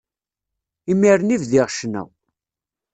Imiren i bdiɣ ccna.